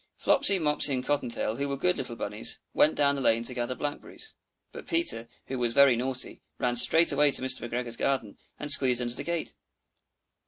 Flopsy, Mopsy, and Cotton tail, who were good little bunnies, went down the lane to gather blackberries; but Peter, who was very naughty, ran straight away to Mr. McGregor's garden, and squeezed under the gate.